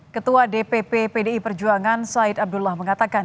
ketua dpp pdi perjuangan said abdullah mengatakan